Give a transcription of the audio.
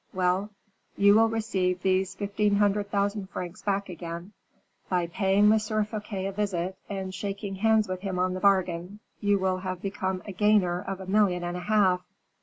Well, you will receive these fifteen hundred thousand francs back again; by paying M. Fouquet a visit, and shaking hands with him on the bargain, you will have become a gainer of a million and a half.